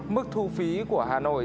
mức thu phí của hà nội